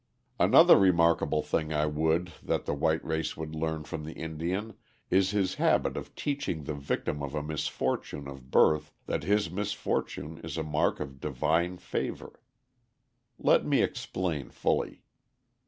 Another remarkable thing I would that the white race would learn from the Indian is his habit of teaching the victim of a misfortune of birth that his misfortune is a mark of divine favor. Let me explain fully.